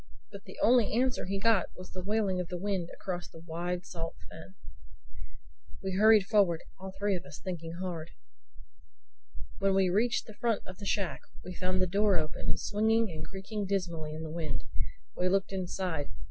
But the only answer he got was the wailing of the wind across the wide, salt fen. We hurried forward, all three of us thinking hard. When we reached the front of the shack we found the door open, swinging and creaking dismally in the wind. We looked inside.